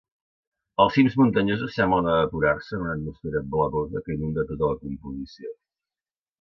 Els cims muntanyosos semblen evaporar-se en una atmosfera blavosa que inunda tota la composició.